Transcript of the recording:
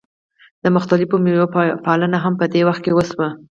د مختلفو میوو پالنه هم په دې وخت کې وشوه.